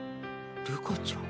るかちゃん。